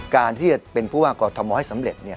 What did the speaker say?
การที่จะเป็นผู้ว่ากอร์ธอมมอล์ให้สำเร็จ